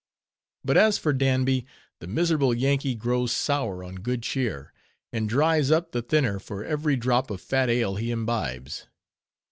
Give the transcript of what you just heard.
But as for Danby, the miserable Yankee grows sour on good cheer, and dries up the thinner for every drop of fat ale he imbibes.